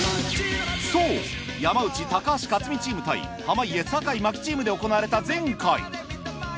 そう山内高橋克実チーム対濱家坂井真紀チームで行われた前回。